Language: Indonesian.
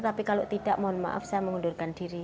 tapi kalau tidak mohon maaf saya mengundurkan diri